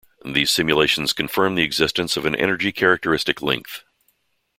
These simulations confirmed the existence of an energy characteristic length.